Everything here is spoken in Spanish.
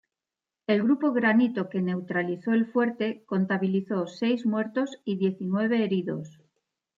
El grupo Granito que neutralizó el fuerte contabilizó seis muertos y diecinueve heridos.